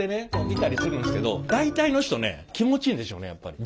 見たりするんですけど大体の人ね気持ちいいんでしょうねやっぱり。